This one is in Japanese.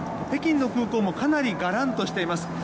北京の空港もかなりがらんとしています。